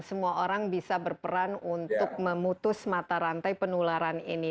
semua orang bisa berperan untuk memutus mata rantai penularan ini